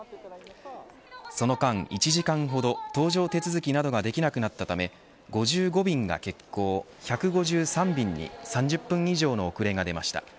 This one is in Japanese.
その間１時間ほど搭乗手続きなどができなくなったため５５便が欠航１５３便に３０分以上の遅れが出ました。